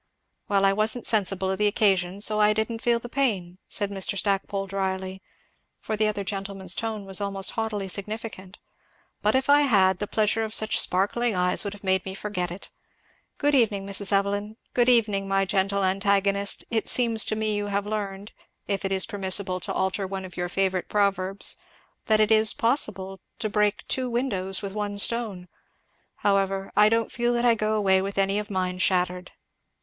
"Well I wasn't sensible of the occasion, so I didn't feel the pain," said Mr. Stackpole dryly, for the other gentleman's tone was almost haughtily significant. "But if I had, the pleasure of such sparkling eyes would have made me forget it. Good evening, Mrs. Evelyn good evening, my gentle antagonist, it seems to me you have learned, if it is permissible to alter one of your favorite proverbs, that it is possible to break two windows with one stone. However, I don't feel that I go away with any of mine shattered."